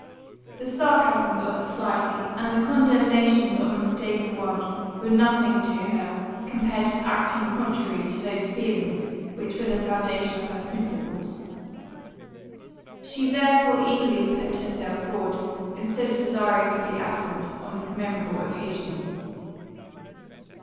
The sarcasms of society, and the condemnations of a mistaken world, were nothing to her, compared with acting contrary to those feelings which were the foundation of her principles. [She therefore eagerly put herself forward, instead of desiring to be absent, on this memorable occasion.